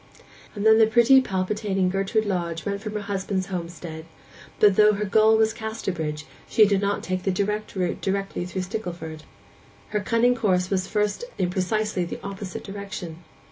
And then the pretty palpitating Gertrude Lodge went from her husband's homestead; but though her goal was Casterbridge she did not take the direct route thither through Stickleford. Her cunning course at first was in precisely the opposite direction.